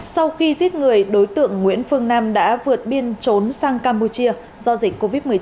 sau khi giết người đối tượng nguyễn phương nam đã vượt biên trốn sang campuchia do dịch covid một mươi chín